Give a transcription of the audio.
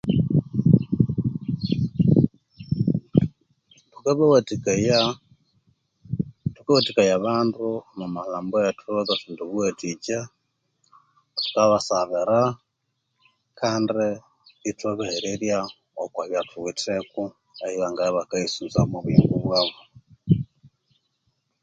.......thukabawatikaya tukawatikaya abandu omwamalhambo wethu bakasondya obuwatikya tukabasabira kandi itwabahererya okwa byathuwitiko ebyabangabya ibakayisunza omwa buyingo bwabu